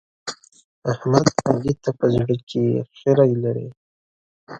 احمد؛ علي ته په زړه کې خيری لري.